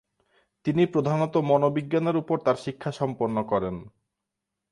তিনি প্রধানত মনোবিজ্ঞানের উপর তার শিক্ষা সম্পন্ন করেন।